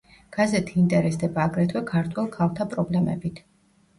გაზეთი ინტერესდება აგრეთვე ქართველ ქალთა პრობლემებით.